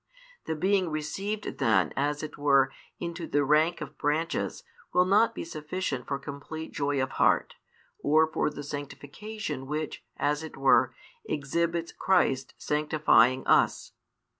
The being received then as it were into the rank of branches will not be sufficient for complete joy of heart, or for the sanctification which, as it were, exhibits Christ sanctifying us.